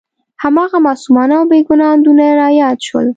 هماغه معصومانه او بې ګناه اندونه را یاد شول.